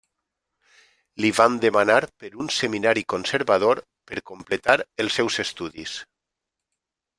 Li van demanar per un seminari conservador per completar els seus estudis.